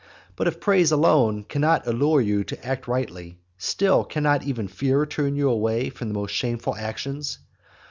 But if praise cannot allure you to act rightly, still cannot even fear turn you away from the most shameful actions?